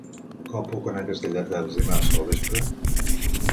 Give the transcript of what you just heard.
Com puc anar a Castelldefels dimarts al vespre?